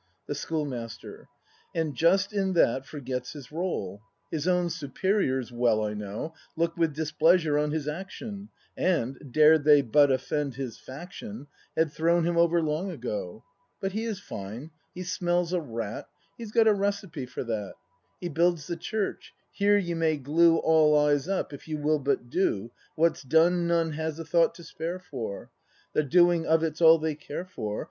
The Schoolmaster. And just in that forgets his role. His own superiors, well I know, Look with displeasure on his action, And, dared they but offend his faction, Had thrown him over long ago. But he is fine; he smells a rat; He's got a recipe for that. He builds the Church, Here you may glue All eyes up, if you will but d o . What's done none has a thought to spare for; The doing of it's all they care for.